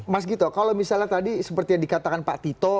mas gito kalau misalnya tadi seperti yang dikatakan pak tito